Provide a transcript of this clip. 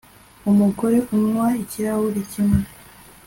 umugore unywa ikirahure kimwe